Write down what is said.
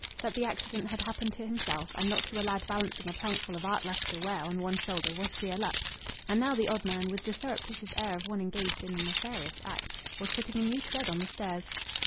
That the accident had happened to himself, and not to a lad balancing a plankful of art lustre ware on one shoulder, was sheer luck. And now the odd man, with the surreptitious air of one engaged in a nefarious act, was putting a new tread on the stairs.